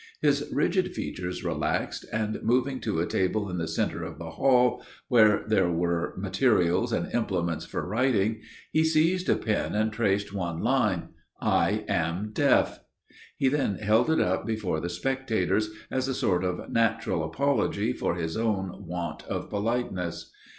His rigid features relaxed, and moving to a table in the center of the hall, where there were materials and implements for writing, he seized a pen, and traced one line: "I am deaf." He then held it up before the spectators, as a sort of natural apology for his own want of politeness.